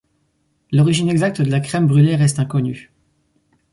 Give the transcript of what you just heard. L’origine exacte de la crème brûlée reste inconnue.